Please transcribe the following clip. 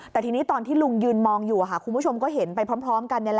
แต่ทีนี้ตอนที่ลุงยืนมองอยู่คุณผู้ชมก็เห็นไปพร้อมกัน